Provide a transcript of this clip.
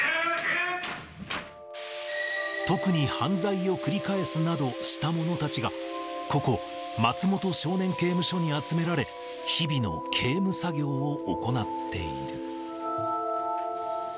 特に犯罪を繰り返すなどした者たちが、ここ、松本少年刑務所に集められ、日々の刑務作業を行っている。